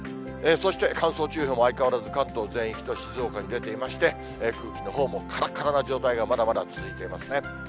そして、乾燥注意報も相変わらず関東全域と静岡に出ていまして、空気のほうもからからな状態が、まだまだ続いていますね。